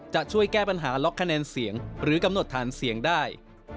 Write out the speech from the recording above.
จะช่วยแก้ปัญหาล็อกคะแนนเสียงหรือกำหนดฐานเสียงได้